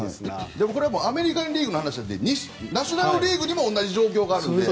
でもこれはアメリカン・リーグの話なのでナショナル・リーグにも同じ状況があるので。